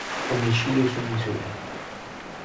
Omicidio su misura